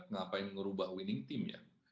ngapain ngerubah winning team ya